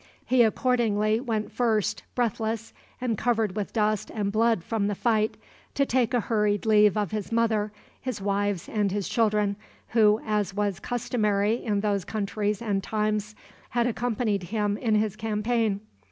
He accordingly went first, breathless, and covered with dust and blood from the fight, to take a hurried leave of his mother, his wives, and his children, who, as was customary in those countries and times, had accompanied him in his campaign.